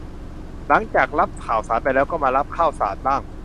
หลังจากรับข่าวสารไปแล้ว ก็มารับข้าวสารบ้าง